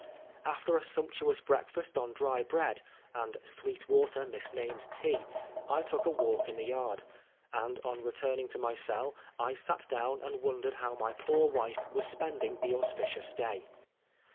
After a sumptuous breakfast on dry bread, and sweet water misnamed tea, I took a walk in the yard ; and on returning to my cell I sat down and wondered how my poor wife was spending the auspicious day.